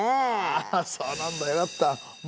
ああそうなんだよかった。